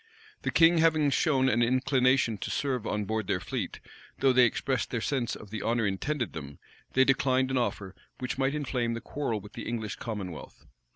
The king having shown an inclination to serve on board their fleet, though they expressed their sense of the honor intended them, they declined an offer which might inflame the quarrel with the English commonwealth.